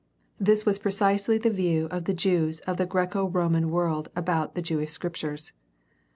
This was precisely the view of the Jews of the Graeco Roman world about the Jewish scriptures.